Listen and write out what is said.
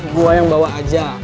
gue yang bawa aja